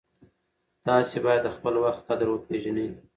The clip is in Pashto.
تاسې باید د خپل وخت قدر وپېژنئ.